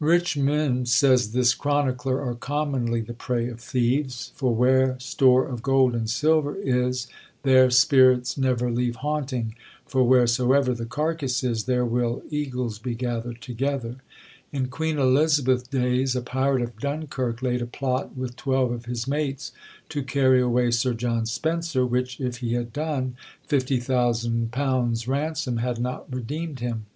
"Rich men," says this chronicler, "are commonly the prey of thieves; for where store of gold and silver is, there spirits never leave haunting, for wheresoever the carcass is, there will eagles be gathered together. In Queen Elizabeth's days, a pirate of Dunkirk laid a plot with twelve of his mates to carry away Sir John Spencer, which, if he had done, £50,000 ransom had not redeemed him.